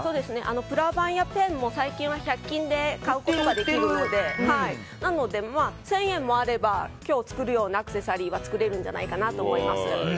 プラバンやペンも最近は１００均で買うことができるので１０００円もあれば今日作るようなアクセサリーは作れるんじゃないかなと思います。